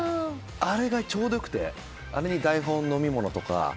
あれがちょうど良くてあれに台本、飲み物とか。